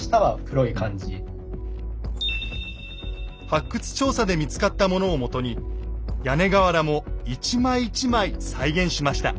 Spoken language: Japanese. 発掘調査で見つかったものをもとに屋根瓦も一枚一枚再現しました。